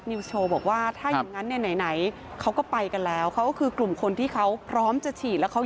มีจำนวนนึงแล้วที่เตรียมพร้อมจะฉีดให้คนน่ะ